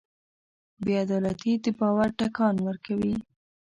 بېعدالتي د باور ټکان ورکوي.